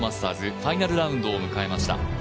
ファイナルラウンドを迎えました。